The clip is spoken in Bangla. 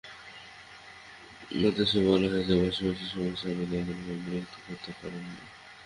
আদেশে বলা হয়েছে, বসবাসের সময় স্বামী তাঁকে কোনোভাবে বিরক্ত করতে পারবেন না।